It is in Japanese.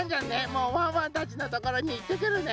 もうワンワンたちのところにいってくるね。